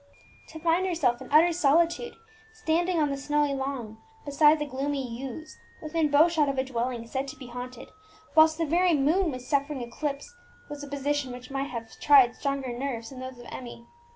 To find herself in utter solitude, standing on the snowy lawn beside the gloomy yews, within bow shot of a dwelling said to be haunted, whilst the very moon was suffering eclipse, was a position which might have tried stronger nerves than those of Emmie.